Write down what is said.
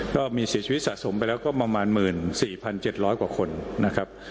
ก็มีเสียชีวิตสะสมไปแล้วก็มาเป็นก็ก็๑๑๔๐๐หนักกว่าคนนะครับ